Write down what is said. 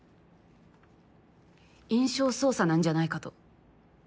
印象操作なんじゃないかと。